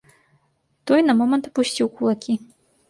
Той на момант апусціў кулакі.